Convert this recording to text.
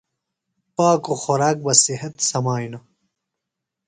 پاکُوۡ خوراک بہ صِحت سمِیانوۡ۔